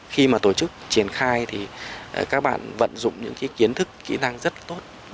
khi mà tổ chức triển khai thì các bạn vận dụng những kiến thức kỹ năng rất là tốt